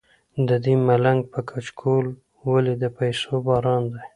ددې ملنګ په کچکول ولې د پیسو باران دی.